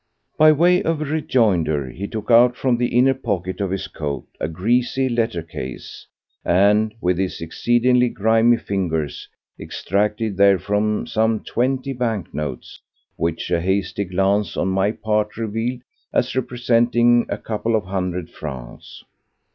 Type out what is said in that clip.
By way of a rejoinder he took out from the inner pocket of his coat a greasy letter case, and with his exceedingly grimy fingers extracted therefrom some twenty banknotes, which a hasty glance on my part revealed as representing a couple of hundred francs.